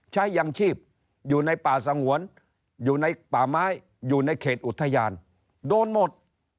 ยังชีพอยู่ในป่าสงวนอยู่ในป่าไม้อยู่ในเขตอุทยานโดนหมด